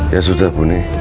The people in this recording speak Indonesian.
ya sudah bune